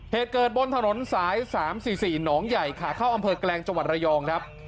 เหตุเกิดบนถนนสาย๓๔๔หนองใหญ่ขาเข้าอำเภอแกลงจังหวัดระยองครับ